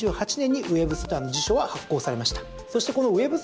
１８２８年にウェブスターの辞書は発行されました。